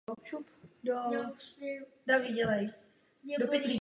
Hrával za New Mitsubishi Heavy Industries.